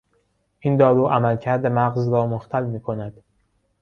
این دارو عملکرد مغز را مختل میکند.